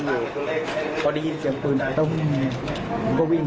ซึ่งโง่งไปพี่สมมองที่มันจะมีเรื่องแรง